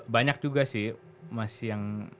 banyak juga sih mas yang